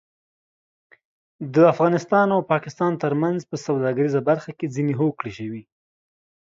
د افغانستان او پاکستان ترمنځ په سوداګریزه برخه کې ځینې هوکړې شوې